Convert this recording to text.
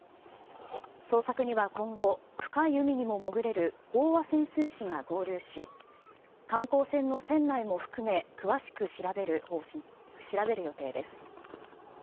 捜索には今後、深い海にも潜れる飽和潜水士が合流し、観光船の船内も含め、詳しく調べる予定です。